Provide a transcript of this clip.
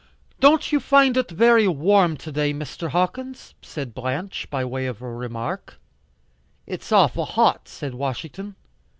"Don't you find it very warm to day, Mr. Hawkins?" said Blanche, by way of a remark. "It's awful hot," said Washington.